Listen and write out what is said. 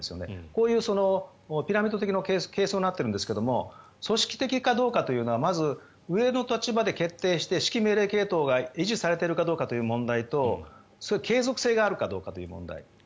こういうピラミッド的な形相になっているんですが組織的かどうかというのは上の立場で決定して指揮命令系統が維持されているかどうかという問題と継続性があるかという問題。